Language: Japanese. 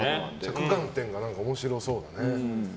着眼点が面白そうだね。